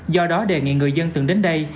do đó đề nghị người dân từng đến đây